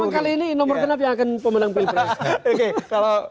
memang kali ini nomor genap yang akan pemenang pilpres